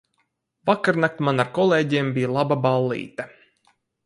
Vakarnakt man ar kolēģiem bija laba ballīte.